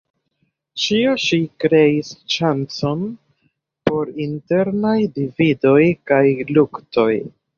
Ĉio ĉi kreis ŝancon por internaj dividoj kaj luktoj.